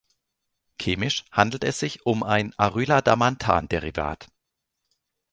Chemisch handelt es sich um ein Aryladamantanderivat.